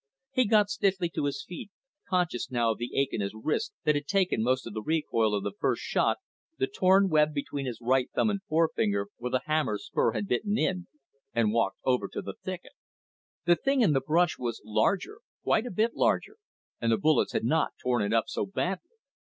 He got stiffly to his feet, conscious now of the ache in his wrist that had taken most of the recoil of the first shot, the torn web between his right thumb and forefinger where the hammer spur had bitten in; and walked over to the thicket. The thing in the brush was larger, quite a bit larger, and the bullets had not torn it up so badly.